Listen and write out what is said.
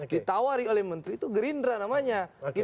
ditawari oleh menteri itu gerindra namanya